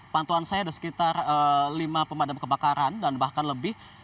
pantauan saya ada sekitar lima pemadam kebakaran dan bahkan lebih